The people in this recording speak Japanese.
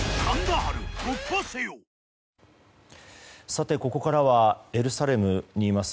さて、ここからはエルサレムにいます